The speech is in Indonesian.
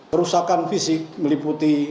kerusakan fisik meliputi